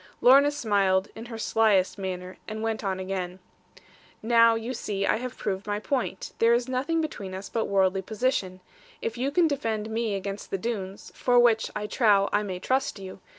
Lorna smiled, in her slyest manner, and went on again: 'Now, you see, I have proved my point; there is nothing between us but worldly position if you can defend me against the Doones, for which, I trow, I may trust you.